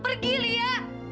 pergi li ya